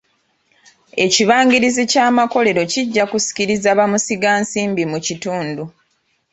Ekibangirizi ky'amakolero kijja kusikiriza baamusiga nsimbi mu kitundu.